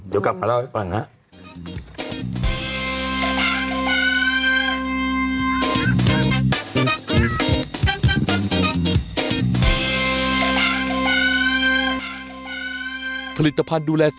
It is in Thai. เดี๋ยวกลับมาเล่าให้ฟังครับ